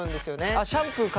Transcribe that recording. あっシャンプーから。